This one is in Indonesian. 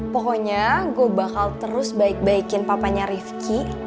pokoknya gue bakal terus baik baikin papanya rifki